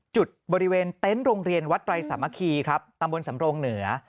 จุดบริเวณเต็นต์โรงเรียนวัดไตรสามัคคีครับตำบลสำรงเหนือ